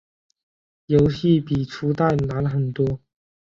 游戏比初代难很多。